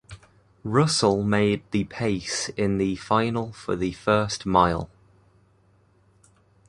Russell made the pace in the final for the first mile.